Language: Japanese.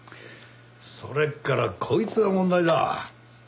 それからこいつが問題だ。